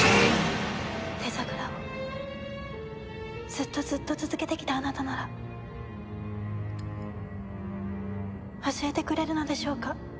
デザグラをずっとずっと続けてきたあなたなら教えてくれるのでしょうか？